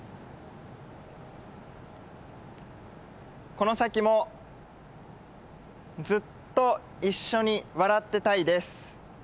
この先もずっと一緒に笑ってたいです